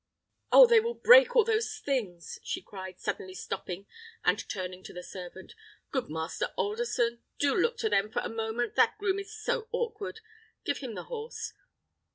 "Oh! they will break all those things!" she cried, suddenly stopping and turning to the servant. "Good Master Alderson, do look to them for a moment; that groom is so awkward: give him the horse.